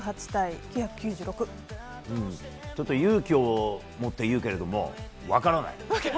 ちょっと勇気を持って言うけれども分からない。